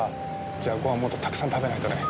じゃあごはんもっとたくさん食べないとね。